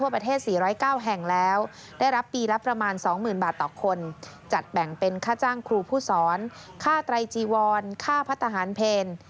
แบ่งเป็นค่าจ้างครูผู้สอนค่าไตรจีวรค่าพัทธาหารเพล